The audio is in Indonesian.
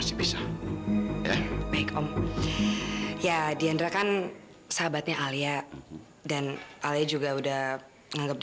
ini ada surat pernyataan